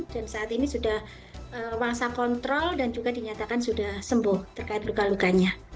dan saat ini sudah waksa kontrol dan juga dinyatakan sudah sembuh terkait luka lukanya